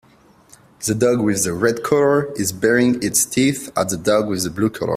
The dog with the red collar is bearing its teeth at the dog with the blue collar.